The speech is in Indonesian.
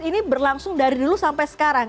ini berlangsung dari dulu sampai sekarang